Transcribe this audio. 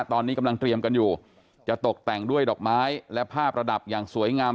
ตอนนี้กำลังเตรียมกันอยู่จะตกแต่งด้วยดอกไม้และภาพระดับอย่างสวยงาม